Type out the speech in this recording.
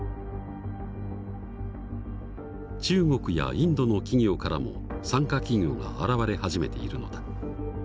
中国やインドの企業からも参加企業が現れ始めているのだ。